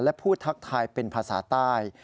และพูดทักทายเป็นภาษาใต้